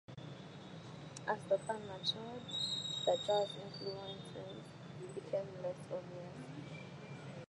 As the band matured, the jazz influences became less obvious.